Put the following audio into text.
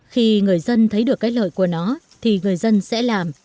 khi người dân thấy được cái lợi của nó thì người dân sẽ làm